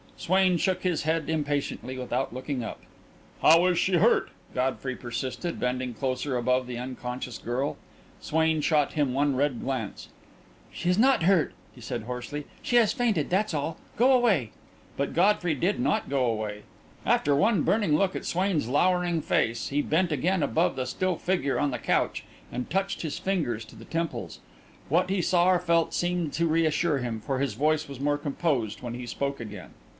Swain shook his head impatiently, without looking up. "How is she hurt?" Godfrey persisted, bending closer above the unconscious girl. Swain shot him one red glance. "She's not hurt!" he said, hoarsely. "She has fainted that's all. Go away." But Godfrey did not go away. After one burning look at Swain's lowering face, he bent again above the still figure on the couch, and touched his fingers to the temples. What he saw or felt seemed to reassure him, for his voice was more composed when he spoke again.